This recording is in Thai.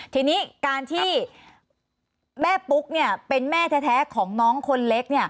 ทีนี้การที่แม่ปุ๊กเป็นแม่แท้ของน้องคนเล็ก